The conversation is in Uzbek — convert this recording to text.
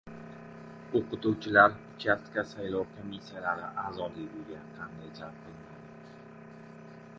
O‘qituvchilar uchastka saylov komissiyalari a’zoligiga qanday jalb qilinadi?